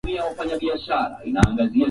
Ngamia hupata ugonjwa wa kutupa mimba